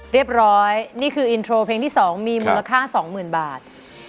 เรียบร้อยนี่คืออินโทรเพลงที่๒มีมูลค่า๒๐๐๐๐บาท